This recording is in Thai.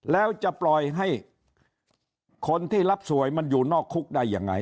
แล้วจะปล่อยให้คนที่รับสวยมันอยู่นอกคุกได้ยังไง